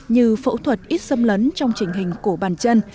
như phẫu thuật ít xâm lấn trong trình hình cổ bàn chân